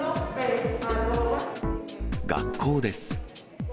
学校です。